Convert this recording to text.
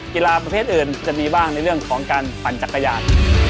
กีฬาประเภทอื่นจะมีบ้างในเรื่องของการปั่นจักรยาน